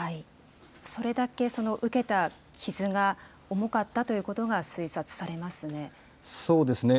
それだけ受けた傷が重かったということが推察されますね。